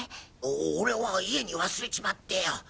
お俺は家に忘れちまってよ。